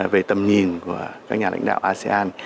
về tầm nhìn của các nhà lãnh đạo asean